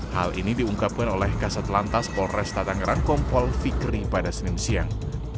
hal ini diungkapkan oleh kesetelantas polres tangerang kompol fikri pada senin siang